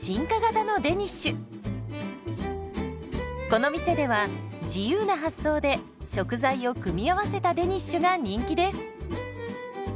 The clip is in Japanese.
この店では自由な発想で食材を組み合わせたデニッシュが人気です。